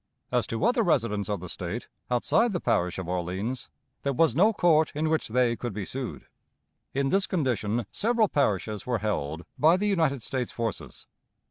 As to other residents of the State, outside the parish of Orleans, there was no court in which they could be sued. In this condition several parishes were held by the United States forces.